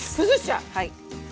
はい。